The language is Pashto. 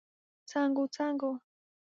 څانګو، څانګو